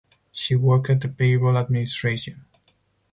She worked at the payroll administration.